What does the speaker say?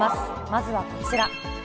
まずはこちら。